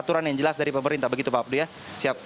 aturan yang jelas dari pemerintah begitu pak abdul ya